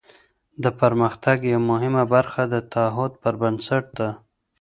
د پرمختګ یوه مهمه برخه د تعهد پر بنسټ ده.